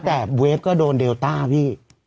แต่เวฟก็โดนเดลต้าพี่